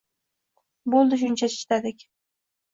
Bo`ldi, shuncha chidadik